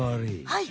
はい！